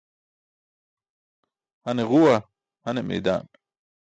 Hane guẏa, hane maidan.